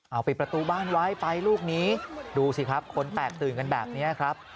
เอาปิดประตูบ้านไว้ไปลูกนี้ดูสิครับคนแตกตื่นกันแบบนี้ครับ